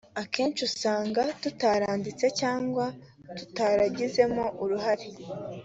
akenshi usanga tutaranditse cyangwa tutaragizemo uruhare”